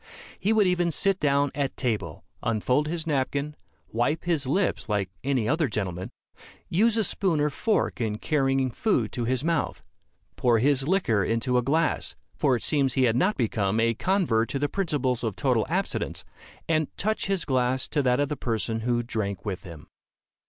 He would even sit down at table, unfold his napkin, wipe his lips like any other gentleman, use a spoon or fork in carrying food to his mouth, pour his liquor into a glass for it seems he had not become a convert to the principles of total abstinence and touch his glass to that of the person who drank with him.